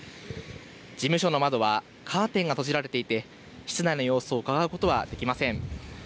事務所の窓はカーテンが閉じられていて室内の様子をうかがうことはできません。